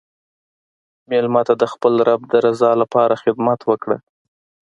مېلمه ته د خپل رب د رضا لپاره خدمت وکړه.